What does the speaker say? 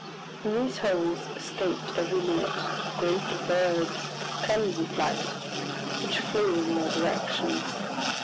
From these holes escaped every minute great birds of clumsy flight, which flew in all directions.